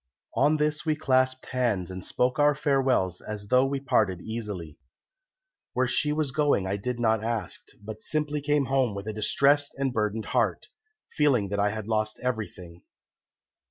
"On this we clasped hands and spoke our farewells as though we parted easily. Where she was going I did not ask, but simply came home with a distressed and burdened heart, feeling that I had lost everything.